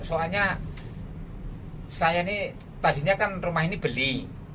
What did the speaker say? soalnya saya ini tadinya kan rumah ini beli